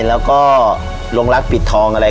แล้วก็ลงรักปิดทองอะไร